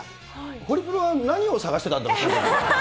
ホリプロは何を探してたんだろう。